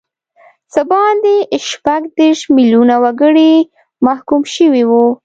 څه باندې شپږ دیرش میلیونه وګړي محکوم شوي وو.